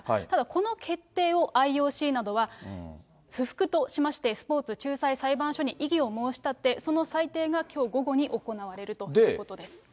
ただこの決定を、ＩＯＣなどは不服としまして、スポーツ仲裁裁判所に異議を申し立て、その裁定がきょう午後に行われるということです。